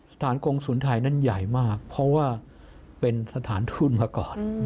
สถานกงศูนย์ไทยนั้นใหญ่มากเพราะว่าเป็นสถานทูตมาก่อน